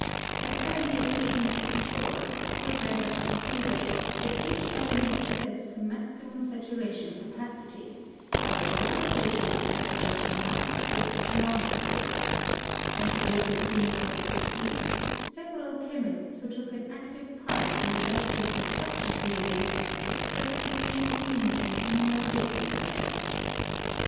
As early as 1854, Kolbe had concluded that each element possessed a maxi mum saturation capacity, but that lower stages of satura tion might exist along with this; and toward the begin ning of the sixties, several chemists who took an active part in developing the structure theory expressed the same opinion in a more definite manner.